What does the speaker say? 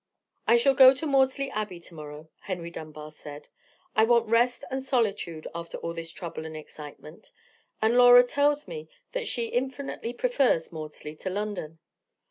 "I shall go to Maudesley Abbey to morrow," Henry Dunbar said. "I want rest and solitude after all this trouble and excitement: and Laura tells me that she infinitely prefers Maudesley to London.